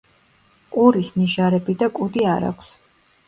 ყურის ნიჟარები და კუდი არ აქვს.